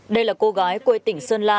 đây là cô gái quê tỉnh sơn lạc